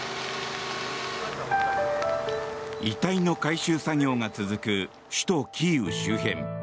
遺体の回収作業が続く首都キーウ周辺。